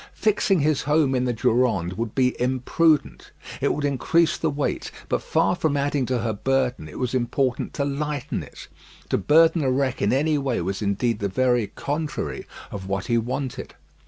Fixing his home in the Durande would be imprudent. It would increase the weight; but far from adding to her burden, it was important to lighten it. To burden the wreck in any way was indeed the very contrary of what he wanted.